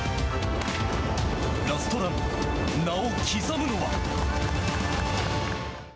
ラストラン、名を刻むのは？